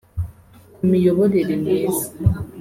ku miyoborere myiza